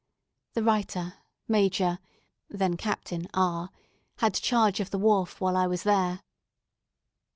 The writer, Major (then Captain) R , had charge of the wharf while I was there.